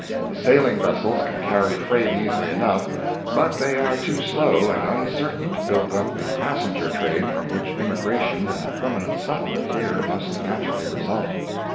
The sailing vessels can carry freight easily enough, but they [are] too slow and uncertain to build up the passenger trade from which immigration and permanent settlement here must naturally result.